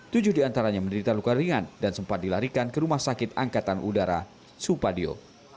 tujuh diantaranya menderita luka ringan dan sempat dilarikan ke rumah sakit angkatan udara supadio